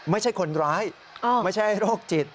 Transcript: ไม่ใช่คนร้ายไม่ใช่โรคจิต